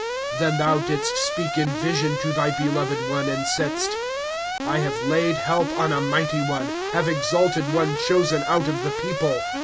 1* Then thou didst speak in vision to thy beloved one, And saidst : I have laid help on a mighty one, Have exalted one chosen out of the people.